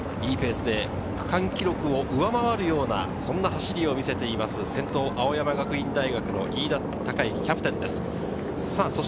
区間記録を上回るような走りを見せています、先頭、青山学院大学の飯田貴之キャプテンです。